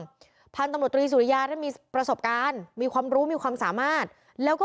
ของกระทรวงท่านตำรวจตรีสุริยาได้มีประสบการณ์มีความรู้มีความสามารถแล้วก็